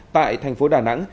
tại thành phố đà nẵng